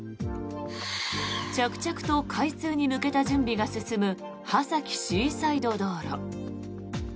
着々と開通に向けた準備が進む波崎シーサイド道路。